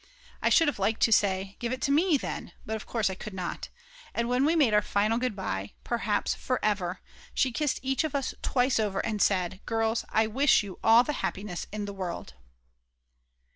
I should have liked to say: "Give it to me then." But of course I could not. And when we made our final goodbye, perhaps for ever, she kissed each of us twice over and said: Girls, I wish you all the happiness in the world!